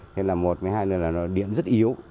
thế là một với hai là điện rất yếu